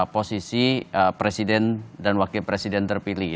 posisi presiden dan wakil presiden terpilih